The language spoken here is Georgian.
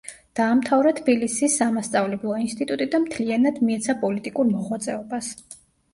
დაამთავრა თბილისის სამასწავლებლო ინსტიტუტი და მთლიანად მიეცა პოლიტიკურ მოღვაწეობას.